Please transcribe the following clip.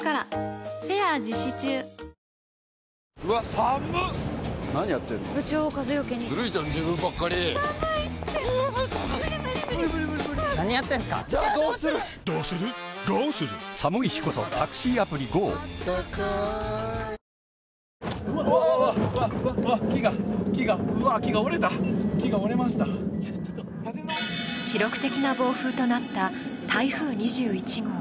三井不動産記録的な暴風となった台風２１号。